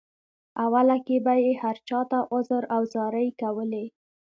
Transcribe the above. اوله کې به یې هر چاته عذر او زارۍ کولې.